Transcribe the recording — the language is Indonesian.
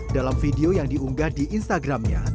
dalam video yang diunggah di instagramnya